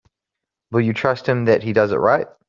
Will you trust him that he does it right?